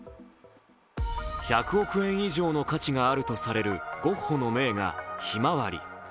１００億円以上の価値があるとされるゴッホの名画「ひまわり」。